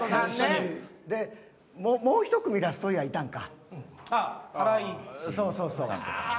もう１組ラストイヤーいたんか。